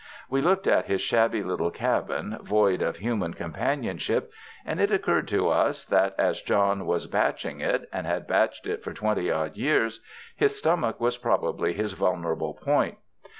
We looked at his shabby little cabin void of human com panionship, and it occurred to us that as John was ''batching it" and had batched it for twenty odd years, his stomach was ])robably his vulnerable point.